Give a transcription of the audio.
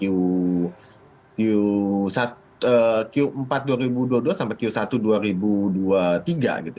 q empat dua ribu dua puluh dua sampai q satu dua ribu dua puluh tiga gitu